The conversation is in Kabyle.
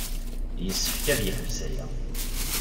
Yessefk ad yeḥbes aya.